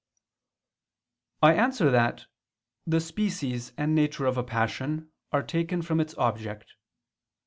I answer that, The species and nature of a passion are taken from its object.